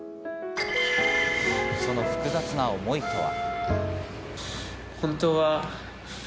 その複雑な思いとは。